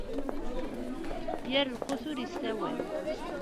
Yir lqut ur issawan.